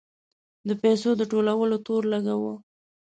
د پیسو د ټولولو تور لګاوه.